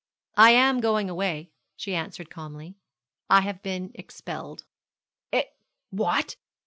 'I am going away,' she answered calmly. 'I have been expelled.' 'Ex what?'